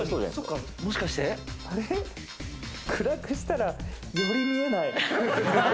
暗くしたら、より見えない。